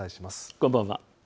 こんばんは。